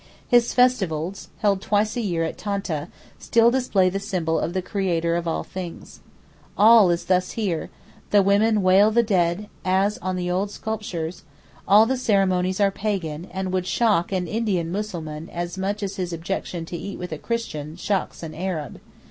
His festivals, held twice a year at Tanta, still display the symbol of the Creator of all things. All is thus here—the women wail the dead, as on the old sculptures, all the ceremonies are pagan, and would shock an Indian Mussulman as much as his objection to eat with a Christian shocks an Arab.